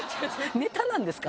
ネタなんですか？